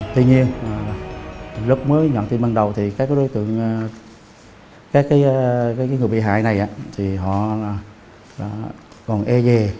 tuy nhiên lúc mới nhận tin ban đầu thì các đối tượng các người bị hại này thì họ còn e dè